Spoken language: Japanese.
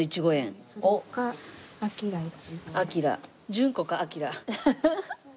順子かあきら。